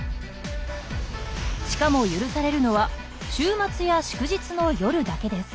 しかも許されるのは週末や祝日の夜だけです。